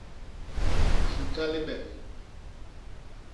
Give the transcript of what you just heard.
Hika libem.